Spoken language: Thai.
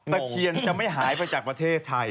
ตะเคียนจะไม่หายไปจากประเทศไทย